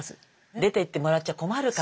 出ていってもらっちゃ困るから。